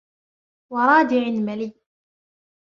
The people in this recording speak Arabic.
وَرَادِعٍ مَلِيٍّ